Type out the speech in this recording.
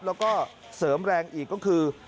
แล้วก็เสริมแรงอีกก็คือ